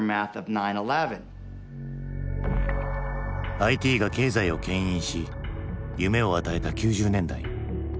ＩＴが経済をけん引し夢を与えた９０年代。